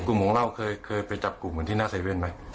กลุ่มของเราเคยไปจับกลุ่มเหมือนที่หน้าเซเว่นไหม